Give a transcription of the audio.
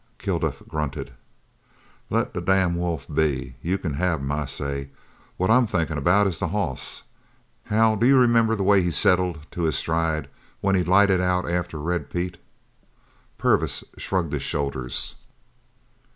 Kilduff grunted. "Let the damn wolf be. You c'n have him, I say. What I'm thinkin' about is the hoss. Hal, do you remember the way he settled to his stride when he lighted out after Red Pete?" Purvis shrugged his shoulders.